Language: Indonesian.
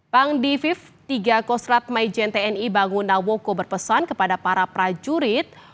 pang divif tiga kosrat majen tni bangunawoko berpesan kepada para prajurit